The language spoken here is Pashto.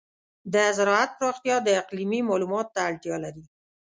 د زراعت پراختیا د اقلیمي معلوماتو ته اړتیا لري.